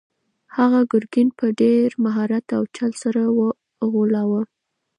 هغه ګرګین په ډېر مهارت او چل سره وغولاوه.